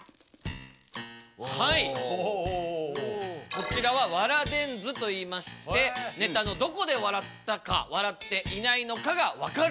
こちらは「笑電図」といいましてネタのどこで笑ったか笑っていないのかがわかる。